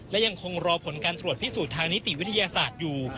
และยังคงรอผลการตรวจพิสูจน์ทางนิติวิทยาศาสตร์อยู่